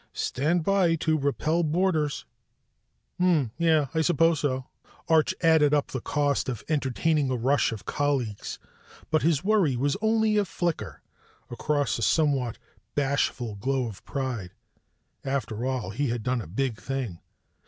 "Stand by to repel boarders!" "Mmmm ... yes, I suppose so." Arch added up the cost of entertaining a rush of colleagues, but his worry was only a flicker across a somewhat bashful glow of pride. After all he had done a big thing.